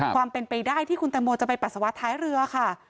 ความเป็นไปได้ที่คุณแตงโมจะไปปัสสาวะท้ายเรือค่ะ